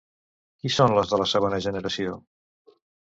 Qui són les de la segona generació?